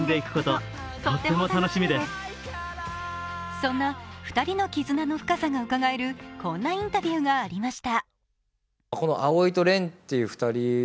そんな２人の絆の深さがうかがえる、こんなインタビューがありました。